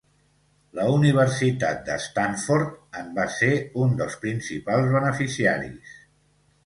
La Universitat de Stanford en va ser un dels principals beneficiaris.